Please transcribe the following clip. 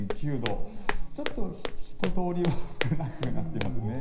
ちょっと人通りは少なくなっていますね。